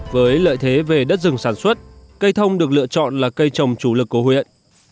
với lợi thế về đất rừng sản xuất cây thông được lựa chọn là cây trồng chủ lực của huyện